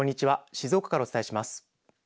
静岡からお伝えします。